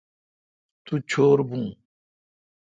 تو چور بھو۔